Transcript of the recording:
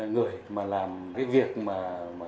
người mà làm cái việc mà